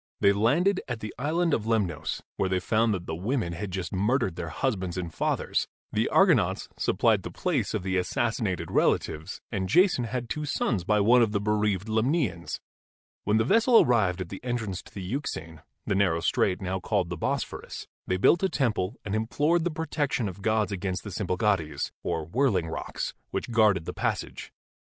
They landed at the Island of Lemnos, where they found that the women had just murdered their husbands and fathers. The Argonauts supplied the place of the assassinated relatives, and Jason had two sons by one of the bereaved Lemnians. When the vessel arrived at the entrance to the Euxine — the narrow strait now called the Bosphorus — they built a temple and implored the protection of the gods against the Symplegades, or Whirling Rocks, which guarded the passage.